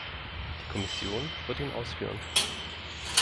Die Kommission wird ihn ausführen.